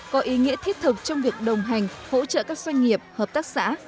có ý nghĩa thiết thực trong việc đồng hành hỗ trợ các doanh nghiệp hợp tác xã